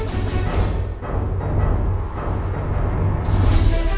ในการรับรัชกาล